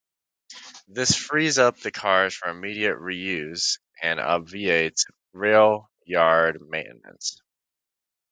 This frees up the cars for immediate reuse and obviates rail yard maintenance.